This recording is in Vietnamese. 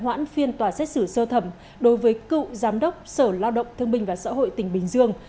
hoãn phiên tòa xét xử sơ thẩm đối với cựu giám đốc sở lao động thương binh và xã hội tỉnh bình dương